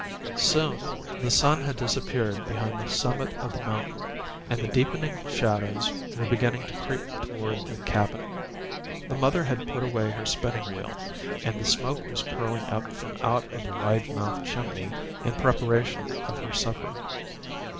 Soon the sun had disappeared behind the summit of the mountain, and the deepening shadows were beginning to creep towards the cabin. The mother had put away her spinning wheel, and the smoke was curling up from out the wide mouthed chimney, in preparation of her supper.